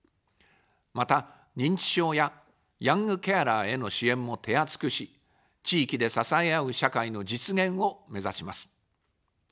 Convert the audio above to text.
また、認知症やヤングケアラーへの支援も手厚くし、地域で支え合う社会の実現をめざします。